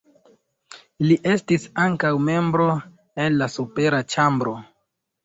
Li estis ankaŭ membro en la supera ĉambro.